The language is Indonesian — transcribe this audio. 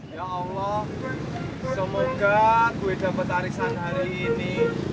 ya allah semoga gue dapat harisan hari ini